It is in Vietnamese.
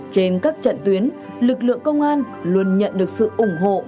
trên các trận tuyến lực lượng công an luôn nhận được sự ủng hộ